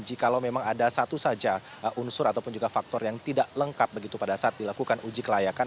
jika memang ada satu saja unsur ataupun juga faktor yang tidak lengkap begitu pada saat dilakukan uji kelayakan